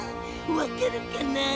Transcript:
わかるかなぁ？